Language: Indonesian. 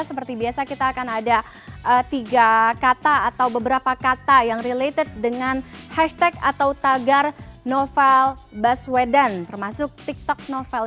seperti biasa kita akan ada tiga kata atau beberapa kata yang related dengan hashtag atau hashtag